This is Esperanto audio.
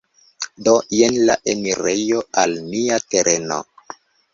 Do, jen la enirejo al nia tereno